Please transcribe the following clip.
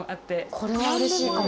これはうれしいかも。